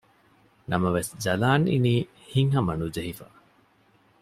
ނަމަވެސް ޖަލާން އިނީ ހިތްހަމަ ނުޖެހިފަ